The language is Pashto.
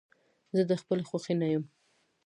زه د خپلې خوښې نه يم.